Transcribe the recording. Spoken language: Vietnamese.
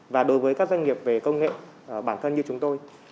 và đối với các doanh nghiệp về công nghệ bản thân như chúng tôi